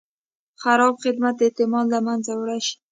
خراب خدمت د اعتماد له منځه وړی شي.